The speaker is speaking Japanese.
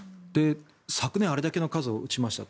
昨年あれだけの数を撃ちましたと。